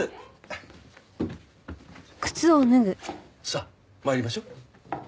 さあ参りましょう。